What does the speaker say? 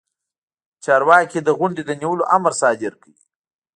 چارواکي د غونډې د نیولو امر صادر کړ.